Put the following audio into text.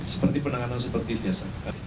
seperti penanganan seperti biasa